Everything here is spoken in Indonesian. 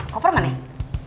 kopernya mana ya